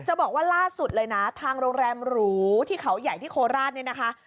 จะบอกว่าล่าสุดเลยนะทางโรงแรมหรูที่เขาใหญ่ที่โคราชเนี่ยนะคะ